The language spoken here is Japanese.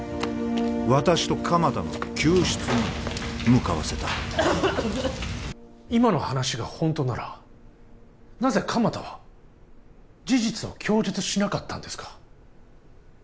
私と鎌田の救出に向かわせた今の話がホントならなぜ鎌田は事実を供述しなかったんですか？